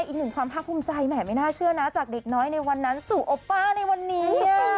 อีกหนึ่งความภาคภูมิใจแหมไม่น่าเชื่อนะจากเด็กน้อยในวันนั้นสู่โอป้าในวันนี้